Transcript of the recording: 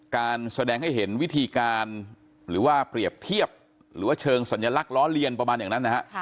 การแสดงให้เห็นวิธีการหรือว่าเปรียบเทียบหรือว่าเชิงสัญลักษณ์ล้อเลียนประมาณอย่างนั้นนะฮะ